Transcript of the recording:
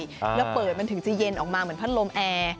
แล้วเปิดมันถึงจะเย็นออกมาเหมือนพัดลมแอร์